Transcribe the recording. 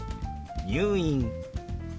「入院」。